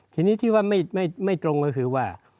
ทีนี้ที่ว่าไม่ตรงก็คือว่า